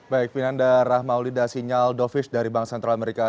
baik binanda rahmaulidah sinyal dovish dari bank sentral amerika